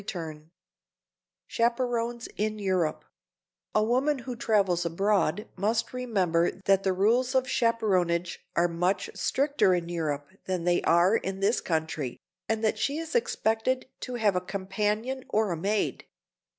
[Sidenote: CHAPERONS IN EUROPE] A woman who travels abroad must remember that the rules of chaperonage are much stricter in Europe than they are in this country, and that she is expected to have a companion or a maid.